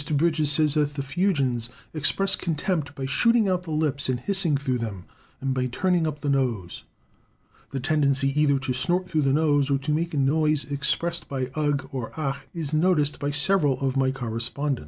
Bridges says that the Fuegians "express contempt by shooting out the lips and hissing through them, and by turning up the nose." The tendency either to snort through the nose, or to make a noise expressed by ugh or ach, is noticed by several of my correspondents.